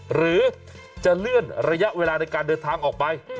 หรือจะเลื่อนระยะเวลาในการเดินทางออกไป